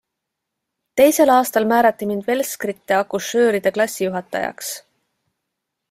Teisel aastal määrati mind velskrite-akušööride klassijuhatajaks.